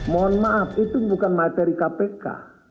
mohon maaf itu bukan materi kpk